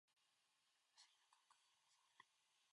不思議な感覚に襲われる